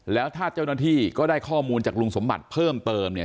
แล้วถ้าเจ้าหน้าที่ก็ได้ข้อมูลจากลุงสมบัติเพิ่มเติมเนี่ย